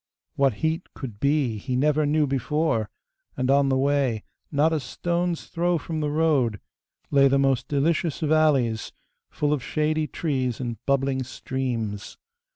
What heat could be he never knew before, and on the way, not a stone's throw from the road, lay the most delicious valleys, full of shady trees and bubbling streams.